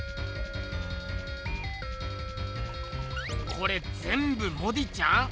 これぜんぶモディちゃん？